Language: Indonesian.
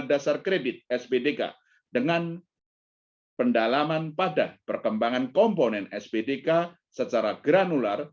dasar kredit spdk dengan pendalaman pada perkembangan komponen spdk secara granular